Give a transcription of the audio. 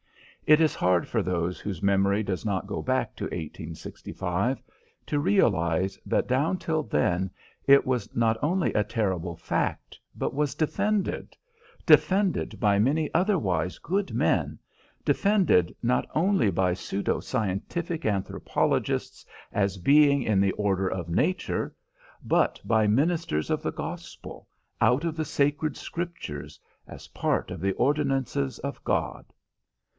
It is hard for those whose memory does not go back to 1865 to realize that down till then it was not only a terrible fact, but was defended defended by many otherwise good men, defended not only by pseudo scientific anthropologists as being in the order of nature, but by ministers of the Gospel, out of the sacred Scriptures, as part of the ordinances of God.